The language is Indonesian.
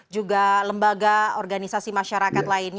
juga lembaga organisasi masyarakat lainnya